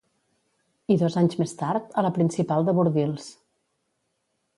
I dos anys més tard, a la Principal de Bordils.